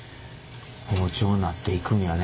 包丁なっていくんやね